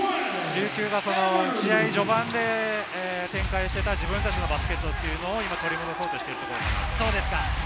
琉球が試合序盤で展開していた自分たちのバスケットを取り戻そうとしているところです。